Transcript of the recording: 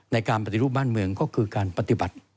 ในการปฏิรูปบ้านเมืองก็คือการปฏิบัติ